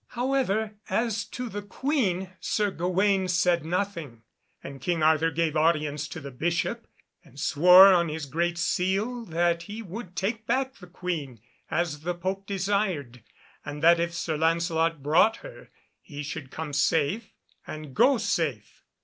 However, as to the Queen Sir Gawaine said nothing; and King Arthur gave audience to the Bishop, and swore on his great seal that he would take back the Queen as the Pope desired, and that if Sir Lancelot brought her he should come safe and go safe.